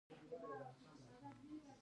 خدمتي موقف هم د مامور یو حالت دی.